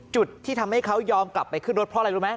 จุดที่ทำให้เขายอมกลับไปขึ้นรถเพราะอะไรรู้ไหม